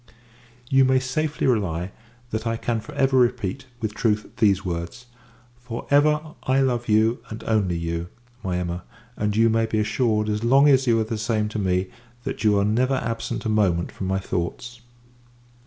You may safely rely, that I can for ever repeat, with truth, these words for ever I love you, and only you, my Emma; and, you may be assured, as long as you are the same to me, that you are never absent a moment from my thoughts.